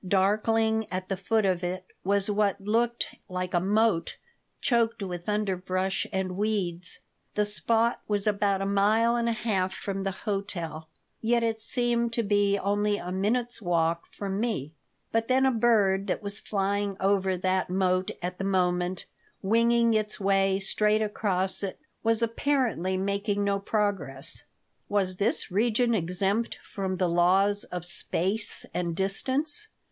Darkling at the foot of it was what looked like a moat choked with underbrush and weeds. The spot was about a mile and a half from the hotel, yet it seemed to be only a minute's walk from me. But then a bird that was flying over that moat at the moment, winging its way straight across it, was apparently making no progress. Was this region exempt from the laws of space and distance?